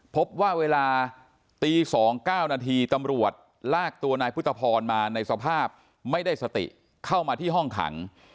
พบว่าเวลาตี๒๙นาทีตำรวจลากตัวนายพุทธพรมาในสภาพไม่ได้สติเข้ามาที่ห้องขัง